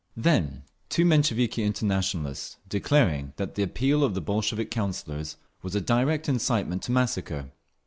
Then two Mensheviki Internationalists, declaring that the Appeal of the Bolshevik Councillors was a direct incitement to massacre.